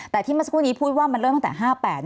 แต่ที่เมื่อสักครู่นี้พูดว่ามันเริ่มตั้งแต่๕๘